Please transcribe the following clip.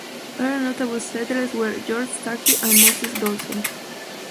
Other notable settlers were George Starkey and Moses Dolson.